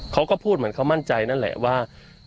เขาก็พูดเหมือนเขามั่นใจนั่นแหละว่า